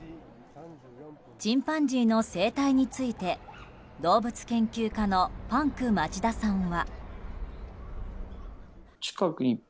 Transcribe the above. チンパンジーの生態について動物研究家のパンク町田さんは。